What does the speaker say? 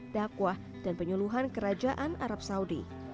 dakwah dan penyuluhan kerajaan arab saudi